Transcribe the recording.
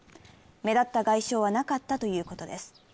目立った外傷はなかったということです。